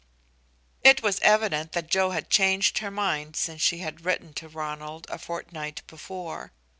It was evident that Joe had changed her mind since she had written to Ronald a fortnight before.